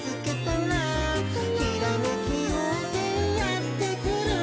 「ひらめきようせいやってくる」